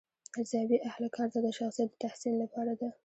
ارزیابي اهل کار ته د شخصیت د تحسین لپاره ده.